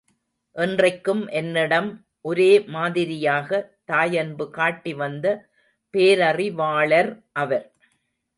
என்றைக்கும் என்னிடம் ஒரே மாதிரியாக தாயன்பு காட்டி வந்த பேரறிவாளர் அவர்.